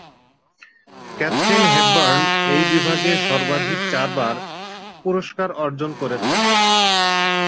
Catherine Hepburn এই বিভাগে সর্বাধিক চারবার পুরস্কার অর্জন করেছেন।